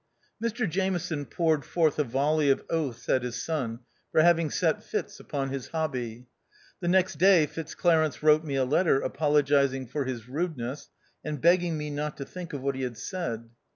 Mr Jameson poured forth a volley of oaths at his son for having set Fitz. upon his hobby. The next day Fitzclarence wrote me a letter apologising for his rudeness, and begging me not to think of what he had said.